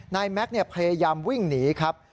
แม็กซ์พยายามวิ่งหนีครับ